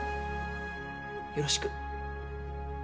よろしく。